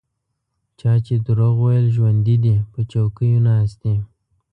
چا چې دروغ ویل ژوندي دي په چوکیو ناست دي.